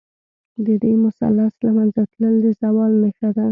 د دې مثلث له منځه تلل، د زوال نښه ده.